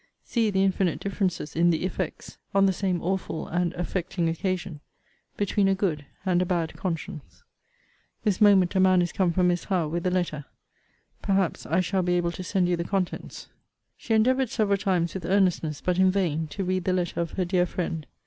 See the infinite differences in the effects, on the same awful and affecting occasion, between a good and a bad conscience! This moment a man is come from Miss Howe with a letter. Perhaps I shall be able to send you the contents. She endeavoured several times with earnestness, but in vain, to read the letter of her dear friend.